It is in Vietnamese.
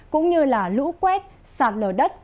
cũng như lũ quét sạt lở đất